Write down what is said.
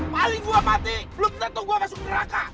paling gua mati lu tetep gua masuk neraka